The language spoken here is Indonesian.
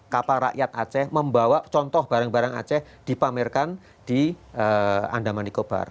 kapal rakyat aceh membawa contoh barang barang aceh dipamerkan di andamanikobar